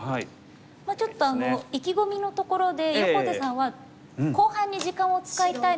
ちょっと意気込みのところで横手さんは後半に時間を使いたいので。